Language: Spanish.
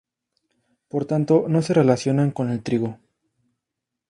Por tanto, no se relacionan con el trigo.